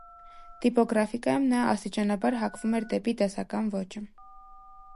Տիպոգրաֆիկայում նա աստիճանաբար հակվում էր դեպի դասական ոճը։